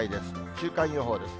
週間予報です。